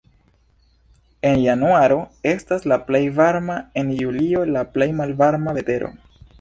En januaro estas la plej varma, en julio la plej malvarma vetero.